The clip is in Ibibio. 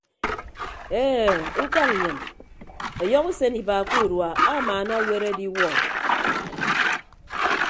E ukañ nnyịn ọyọhọ usen iba ke urua amaana aweere adiwuọ.